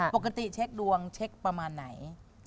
ปกติเช็คดวงเช็คประมาณไหน